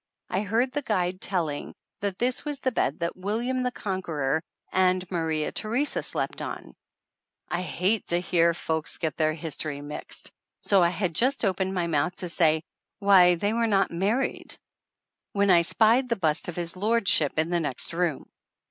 I heard the guide telling that this was the bed that William the Conqueror and Maria Theresa slept on ! I hate to hear folks get their history mixed, so I had just opened my mouth to say "Why, they were not married" when I spied the bust of his lordship in the next room.